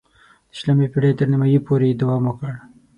د شلمې پېړۍ تر نیمايی پورې یې دوام وکړ.